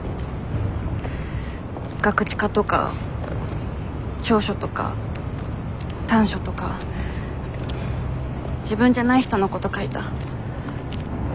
ガクチカとか長所とか短所とか自分じゃない人のこと書いた。